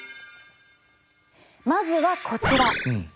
まずはこちら。